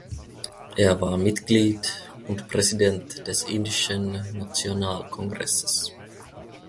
Er war Mitglied und Präsident des Indischen Nationalkongresses.